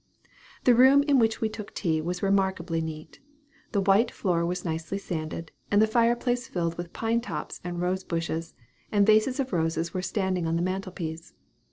The room in which we took tea was remarkably neat. The white floor was nicely sanded, and the fire place filled with pine tops and rose bushes; and vases of roses were standing on the mantel piece.